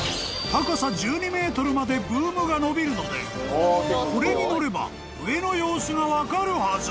［までブームが伸びるのでこれに乗れば上の様子が分かるはず］